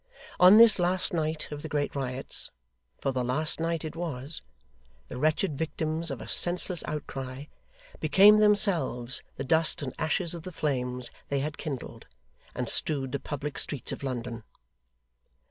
On this last night of the great riots for the last night it was the wretched victims of a senseless outcry, became themselves the dust and ashes of the flames they had kindled, and strewed the public streets of London.